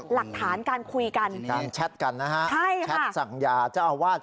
หลักฐานการคุยกันมีการแชทกันนะฮะใช่ค่ะแชทสั่งยาเจ้าอาวาส